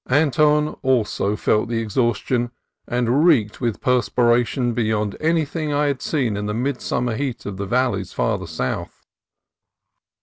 Anton also felt the ex 284 CALIFORNIA COAST TRAILS haustion, and reeked with perspiration beyond any thing I had seen in the midsummer heat of the valleys farther south.